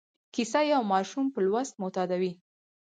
کیسه یو ماشوم په لوست معتادوي.